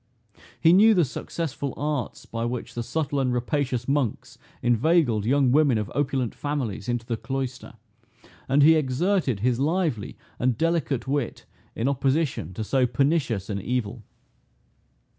He knew the successful arts by which the subtle and rapacious monks inveigled young women of opulent families into the cloister; and he exerted his lively and delicate wit in opposition to so pernicious an evil.